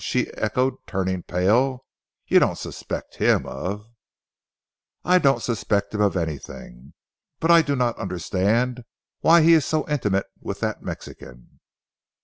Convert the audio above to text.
she echoed turning pale, "you don't suspect him of " "I don't suspect him of anything, but I do not understand why he is so intimate with that Mexican."